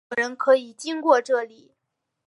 没有人可以经过这里！